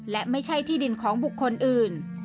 และไม่ใช่ที่ดินของบุคคลอื่น